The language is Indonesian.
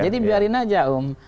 jadi biarin aja om